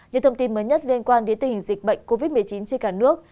những thông tin mới nhất liên quan đến tình hình dịch bệnh covid một mươi chín trên cả nước